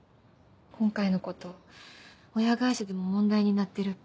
今回のこと親会社でも問題になってるっぽい。